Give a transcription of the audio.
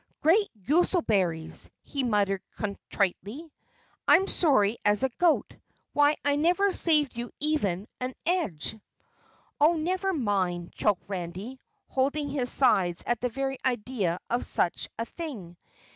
"Great Gooselberries," he muttered contritely, "I'm sorry as a goat. Why, I never saved you even an edge!" "Oh, never mind," choked Randy, holding his sides at the very idea of such a thing.